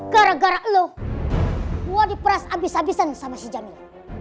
gara gara lu gua diperas abis abisan sama si jamil